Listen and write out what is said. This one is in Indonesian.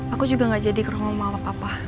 aku juga gak jadi kerumah rumah lo papa